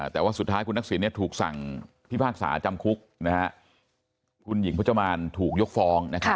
แต่ว่าสุดท้ายคุณทักษิณถูกสั่งพิพากษาจำคุกคุณหญิงพจมานถูกยกฟ้อง